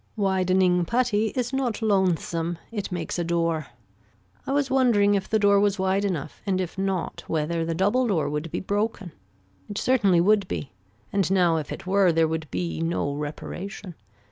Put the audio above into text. Widening putty is not lonesome. It makes a door. I was wondering if the door was wide enough and if not whether the double door would be broken. It certainly would be and now if it were there would be no reparation.